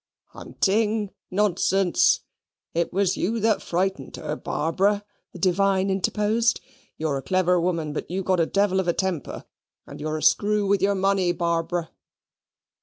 "Hunting; nonsense! It was you that frightened her, Barbara," the divine interposed. "You're a clever woman, but you've got a devil of a temper; and you're a screw with your money, Barbara."